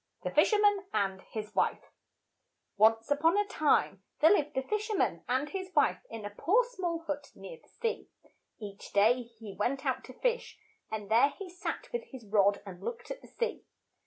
THE FISHERMAN AND HIS WIFE ONCE on a time there lived a fish er man and his wife in a poor small hut near the sea. Each day he went out to fish, and there he sat with his rod and looked at the sea.